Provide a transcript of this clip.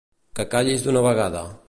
Que callis d'una vegada.